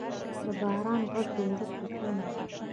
د باران ږغ د زړه سکون دی.